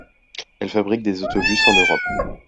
Elle fabrique des autobus en Europe.